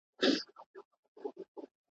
زما دي په یاد وي ستا دي هېر وي ګلي .